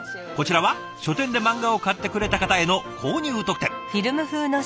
こちらは書店で漫画を買ってくれた方への購入特典。